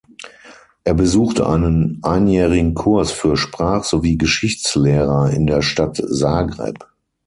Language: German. Er besuchte einen einjährigen Kurs für Sprach- sowie Geschichtslehrer in der Stadt Zagreb.